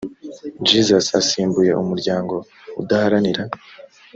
jesus usimbuye umuryango udaharanira